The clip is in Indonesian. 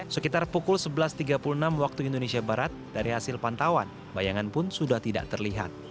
sekitar pukul sebelas tiga puluh enam waktu indonesia barat dari hasil pantauan bayangan pun sudah tidak terlihat